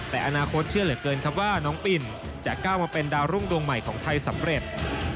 แต่อนาคตเชื่อเหลือเกินครับว่าน้องปิ่นจะก้าวมาเป็นดาวรุ่งดวงใหม่ของไทยสำเร็จ